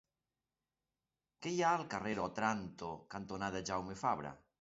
Què hi ha al carrer Òtranto cantonada Jaume Fabra?